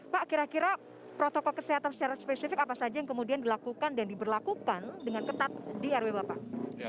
pak kira kira protokol kesehatan secara spesifik apa saja yang kemudian dilakukan dan diberlakukan dengan ketat di rw bapak